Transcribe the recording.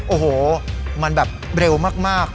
โอ้โหมันแบบเร็วมาก